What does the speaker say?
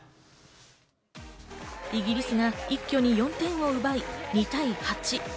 イギリスが一挙に４点を奪い、２対８。